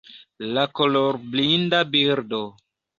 La kolorblinda birdo